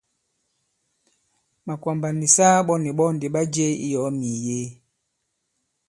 Màkwàmbà nì saa ɓɔ nì ɓɔ ndì ɓa jie i yɔ̀ɔ mì mìyee.